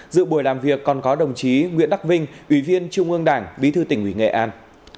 dự buổi làm việc còn có đồng chí nguyễn đắc vinh ủy viên trung ương đảng bí thư tỉnh ủy nghệ an